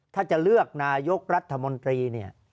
ถ้าจะเลือกนายกรัฐมนตรีเนี่ย